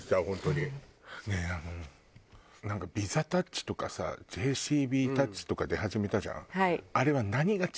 ねえあのなんかＶＩＳＡタッチとかさＪＣＢタッチとか出始めたじゃん？